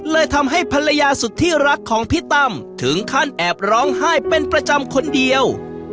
เลยทำให้ภรรยาสุดที่รักของพี่ตั้มถึงขั้นแอบร้องไห้เป็นประจำคนเดียว